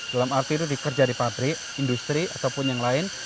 dalam arti itu dikerja di pabrik industri ataupun yang lain